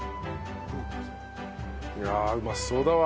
ああうまそうだわ。